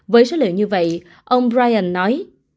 với số liệu như vậy ông ryan nói